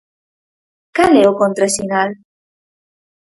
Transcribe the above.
Cal é o contrasinal?